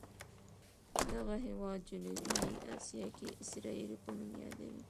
دغه هېواد جنوبي اسیا کې اسرائیلو په نوم یادوي.